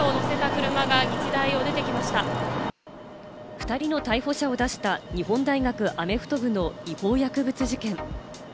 ２人の逮捕者を出した日本大学アメフト部の違法薬物事件。